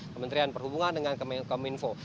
kementerian perhubungan dengan kominfo